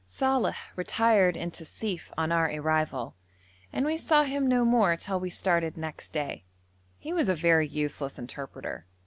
Saleh retired into Sief on our arrival, and we saw him no more till we started next day. He was a very useless interpreter.